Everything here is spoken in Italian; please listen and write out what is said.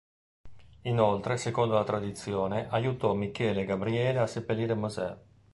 Inoltre secondo la tradizione, aiutò Michele e Gabriele a seppellire Mosè.